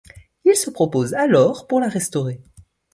Il se propose alors pour la restaurer.